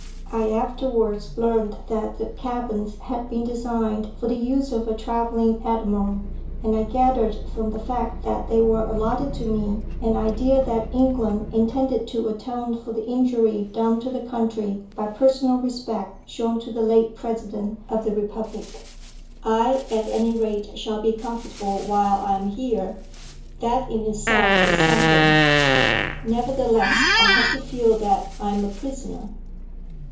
I afterwards learned that the cabins had been designed for the use of a travelling admiral, and I gathered from the fact that they were allotted to me an idea that England intended to atone for the injury done to the country by personal respect shown to the late President of the republic. "I, at any rate, shall be comfortable while I am here. That in itself is something. Nevertheless I have to feel that I am a prisoner."